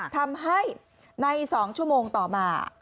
ทำให้ใน๒ชั่วโมงต่อมา